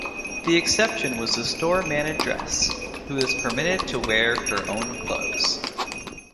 The exception was the store manageress, who was permitted to wear her own clothes.